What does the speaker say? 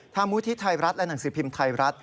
ธามวุฒิไทยรัฐและหนังสือพิมพ์ไทยรัฐ